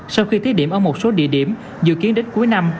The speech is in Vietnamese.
sau khi thiết điểm ở một số địa điểm dự kiến đến cuối năm